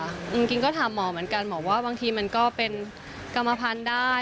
จริงก็ถามหมอเหมือนกันหมอว่าบางทีมันก็เป็นกรรมพันธุ์ได้